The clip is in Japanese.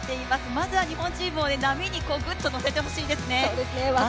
まずは日本チームを波にぐっと乗せていってほしいですね。